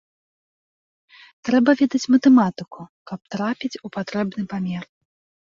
Трэба ведаць матэматыку, каб трапіць у патрэбны памер.